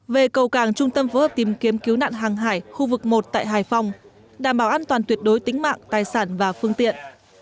về cầu cảng trung tâm phối hợp tìm kiếm cứu nạn hàng hải khu vực một tại hải phòng đảm bảo an toàn tuyệt đối tính mạng tài sản và phương tiện